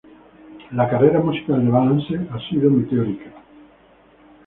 La carrera musical de Valance ha sido meteórica.